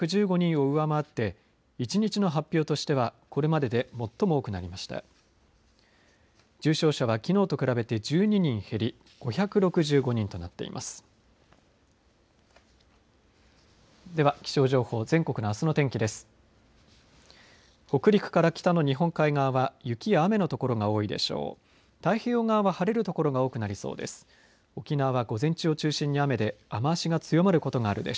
では、気象情報全国のあすの天気です。